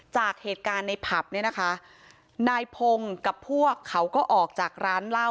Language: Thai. จากเหตุการณ์ในผับเนี่ยนะคะนายพงศ์กับพวกเขาก็ออกจากร้านเหล้า